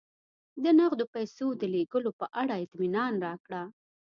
د نغدو پیسو د لېږلو په اړه اطمینان راکړه